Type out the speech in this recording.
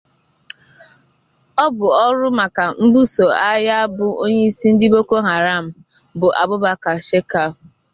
Ọ bụ ọrụ maka mbuso agha a bụ onyeisi ndị Boko Haram bụ Abubakar Shekau.